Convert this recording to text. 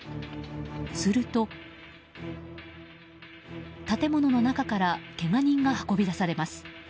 すると、建物の中からけが人が運び出されます。